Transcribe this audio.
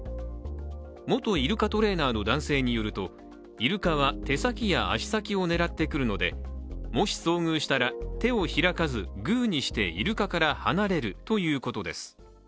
元イルカトレーナーの男性によるとイルカは手先や足先を狙ってくるのでもし遭遇したら手を開かずグーにしてイルカから離れるということです。